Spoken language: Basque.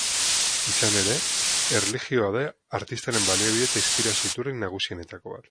Izan ere, erlijioa da artistaren baliabide eta inspirazio iturri nagusienetako bat.